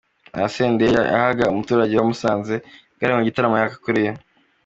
Aha Senderi yahaga umuturage wa Musanze igare mu gitaramo yahakoreye.